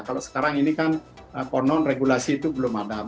kalau sekarang ini kan konon regulasi itu belum ada